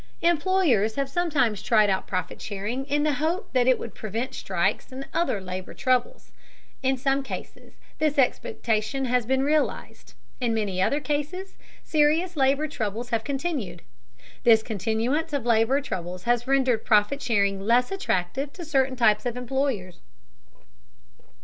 Employers have sometimes tried out profit sharing in the hope that it would prevent strikes and other labor troubles. In some cases this expectation has been realized; in many other cases serious labor troubles have continued. This continuance of labor troubles has rendered profit sharing less attractive to certain types of employers.